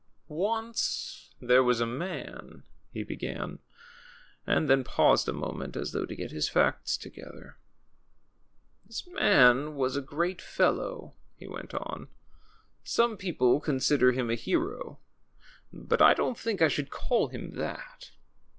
Once there was a man," he began ; and then paused a moment as though to get his facts together. This man was a great fellow," he went on. Some people consider him a hero, but I don't think I should call him that.